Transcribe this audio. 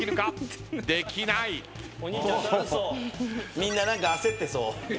みんな何か焦ってそう。